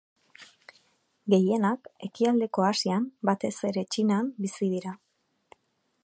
Gehienak ekialdeko Asian, batez ere Txinan, bizi dira.